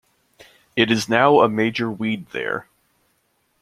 It is now a major weed there.